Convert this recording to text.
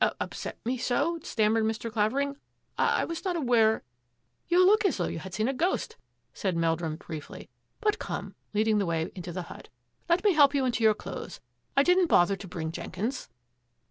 "" Upset me so? " stammered Mr. Clavering. " I was not aware —"" You look as though you had seen a ghost," said Meldrum briefly. " But come,'* leading the way into the hut, " let me help you into your clothes. I didn't bother to bring Jenkins."